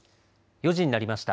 ４時になりました。